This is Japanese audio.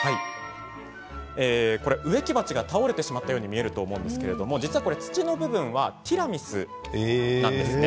植木鉢が倒れてしまったように見えると思うんですが土の部分はティラミスなんですね。